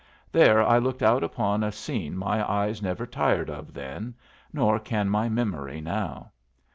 There I looked out upon a scene my eyes never tired of then, nor can my memory now.